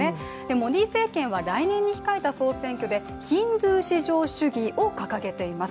モディ政権は来年に控えた総選挙でヒンドゥー至上主義を掲げています。